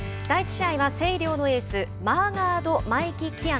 第１試合は星稜のエースマーガード真偉輝